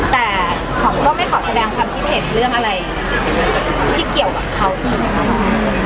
แต่ขอก็ไม่ขอแสดงความคิดเห็นเรื่องอะไรที่เกี่ยวกับเขาอีกค่ะ